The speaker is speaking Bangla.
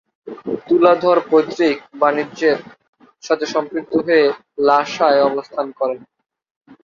তুলাধর পৈতৃক বাণিজ্যের সাথে সম্পৃক্ত হয়ে লাসায় অবস্থান করেন।